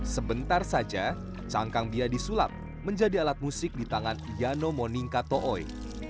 sebentar saja cangkang bia disulap menjadi alat musik di tangan yano moningka tooi ⁇